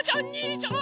ちゃん